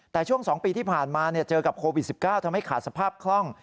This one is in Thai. แต่ช่วง๒ปีที่ผ่านมาเจอกับโควิด๑๙ทำให้ขาดสภาพคล่อง